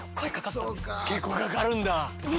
結構かかるんだ！？